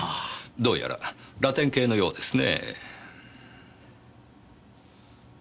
どうやらラテン系のようですねえ。